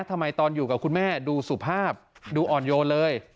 ทำไมตอนอยู่กับคุณแม่ดูสุภาพดูอ่อนโยนเลย